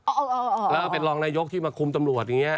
อ๋อออ๋อแล้วเขาเป็นรองนายกที่มาคุมตำรวจเงี้ย